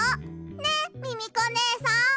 ねっミミコねえさん。